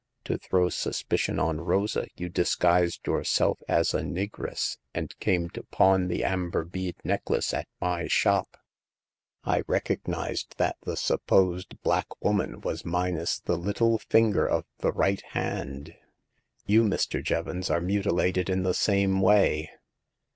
To throw suspicion on Rosa you dis guised yourself as a negress, and came to pawn the amber bead necklace at my shop. I recog nized that the supposed black woman was minus the little finger of the right hand. You, Mr. Jevons, are mutilated in the same way.